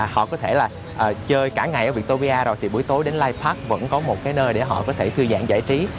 họ có thể là chơi cả ngày ở victoria rồi thì buổi tối đến life park vẫn có một cái nơi để họ có thể thư giãn giải trí